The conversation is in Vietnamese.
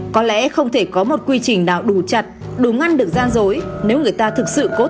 có lẽ không thể có một quy trình nào đủ chặt đủ ngăn được gian dối nếu người ta thực sự cố tình muốn giấu